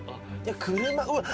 車うわっ。